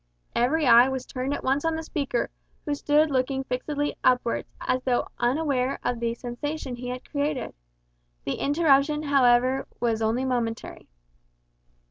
Every eye was turned at once on the speaker, who stood looking fixedly upwards, as though unaware of the sensation he had created. The interruption, however, was only momentary.